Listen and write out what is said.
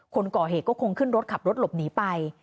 คนก่อเหตุก็คงขึ้นรถขับรถหลบหนีไป